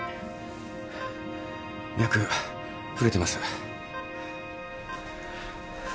脈触れてます。